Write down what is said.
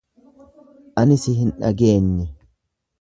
Ani si hin dhageenye.